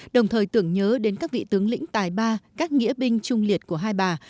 đồng thời tưởng nhớ đến các vị tướng lĩnh tài ba các nghĩa binh trung liệt của hai bà